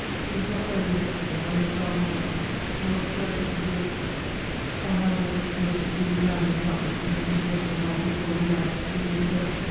He was not buryed at Exeter by his father and mother, nor at Shirburne in Dorset; at either of which places he desired his wife (in his letter the night before he dyed) to be interred.